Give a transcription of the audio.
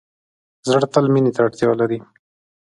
زړه تل مینې ته اړتیا لري.